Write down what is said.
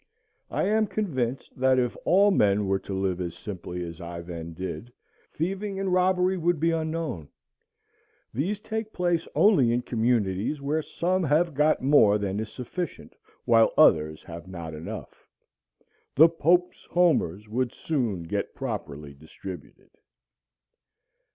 I am convinced, that if all men were to live as simply as I then did, thieving and robbery would be unknown. These take place only in communities where some have got more than is sufficient while others have not enough. The Pope's Homers would soon get properly distributed.